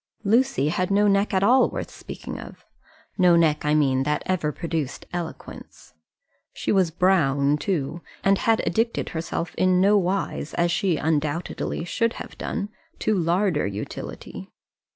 Lucy had no neck at all worth speaking of, no neck, I mean, that ever produced eloquence; she was brown, too, and had addicted herself in nowise, as she undoubtedly should have done, to larder utility.